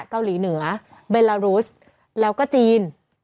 เกาหลีเหนือเบลารุสแล้วก็จีน